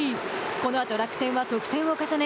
このあと楽天は得点を重ね